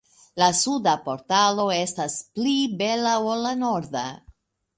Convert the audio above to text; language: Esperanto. La suda portalo esta pli bela ol la norda.